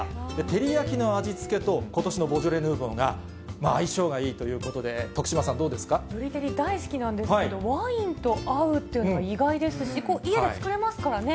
照り焼きの味付けと、ことしのボジョレ・ヌーボーが相性がいいということで、徳島さん、ブリ照り、大好きなんですけれども、ワインと合うっていうのは意外ですし、家で作れますからね。